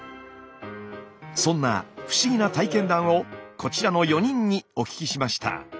そんな不思議な体験談をこちらの４人にお聞きしました。